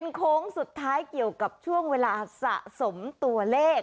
โค้งสุดท้ายเกี่ยวกับช่วงเวลาสะสมตัวเลข